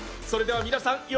それでは皆さん